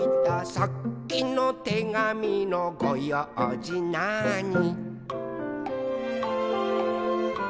「さっきのてがみのごようじなーに」